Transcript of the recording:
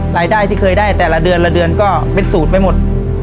รายได้ที่เคยได้แต่ละเดือนก็เป็นศูนย์ไปหมด